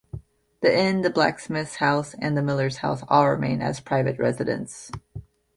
The inn, the blacksmith's house, and the miller's house all remain as private residences.